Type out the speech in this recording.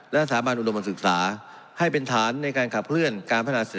และสถาบันอุดมสึกษาให้เป็นฐานในการขับเคลื่อนการพันธาษาเศรษฐกิจและสังคม